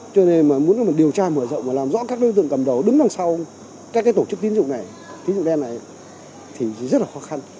cho nên mà muốn điều tra mở rộng và làm rõ các đối tượng cầm đầu đứng đằng sau các tổ chức tín dụng này tín dụng đen này thì rất là khó khăn